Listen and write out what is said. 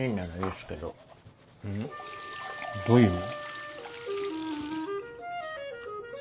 どういう意味？